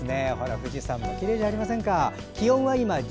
富士山もきれいじゃありませんか。